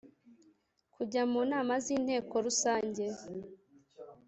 kujya mu nama z Inteko Rusange